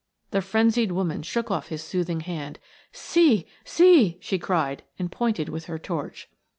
The frenzied woman shook off his soothing hand. "See, see!" she cried and pointed with her torch.